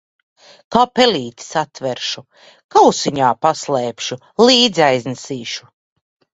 Kā pelīti satveršu, kausiņā paslēpšu, līdzi aiznesīšu.